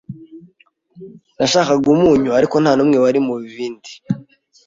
Nashakaga umunyu, ariko ntanumwe wari mubibindi.